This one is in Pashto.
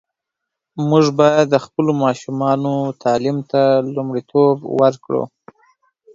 موږ باید د خپلو ماشومانو تعلیم ته لومړیتوب ورکړو.